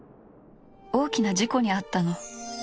大きな事故にあったの。